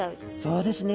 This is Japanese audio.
そうですね。